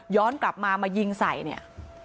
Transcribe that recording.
กลับมามายิงใส่เนี่ย